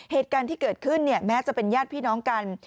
เหตุการณ์ที่เกิดขึ้นแม้จะเป็นญาติพี่น้องกัน